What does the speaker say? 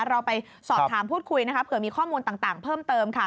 เราไปสอบถามพูดคุยนะคะเผื่อมีข้อมูลต่างเพิ่มเติมค่ะ